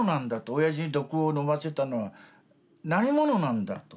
おやじに毒を飲ませたのは何者なんだと。